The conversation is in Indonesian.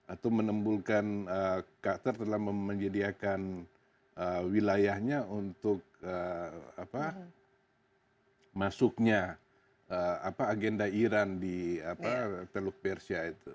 atau menimbulkan qatar telah menjadi akan wilayahnya untuk masuknya agenda iran di teluk persia